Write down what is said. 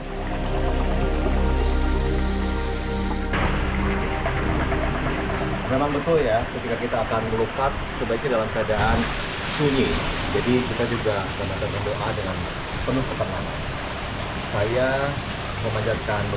ketika kita melukat kita harus dalam keadaan sunyi